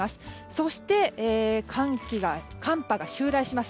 そして寒波が襲来します